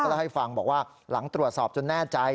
เล่าให้ฟังบอกว่าหลังตรวจสอบจนแน่ใจ